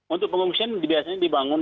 untuk pengungsian biasanya dibangun